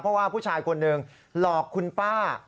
เพราะว่าผู้ชายคนหนึ่งหลอกคุณป้า